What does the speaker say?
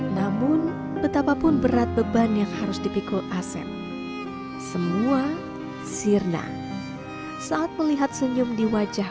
namun betapapun berat beban yang harus dipikul asep semua sirna saat melihat senyum di wajah